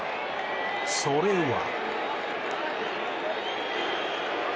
それは。